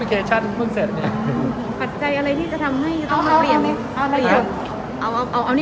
ผัดใจอะไรจะทำให้ต้องเปลี่ยน